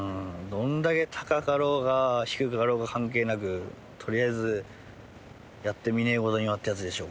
どれだけ高かろうが低かろうが関係なくとりあえずやってみねえことにはってやつでしょ